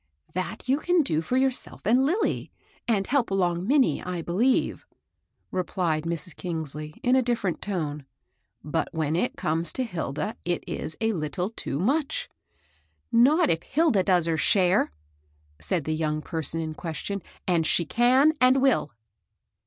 That you can do for yourself and Lilly, and help along Minnie, I believe," replied Mrs. Kingsley, in a diflPerent tone; "but when it comes to Hilda, it is a little too much." " Not if Hilda does her share," said the young person in question ;" and she can and will."